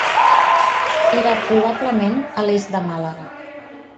Era probablement a l'est de Màlaga.